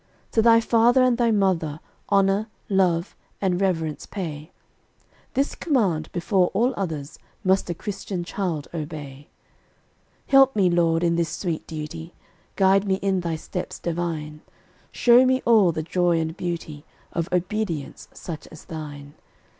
To thy father and thy mother Honor, love, and reverence pay; This command, before all other, Must a Christian child obey. Help me, Lord, in this sweet duty; Guide me in Thy steps divine; Show me all the joy and beauty Of obedience such as thine.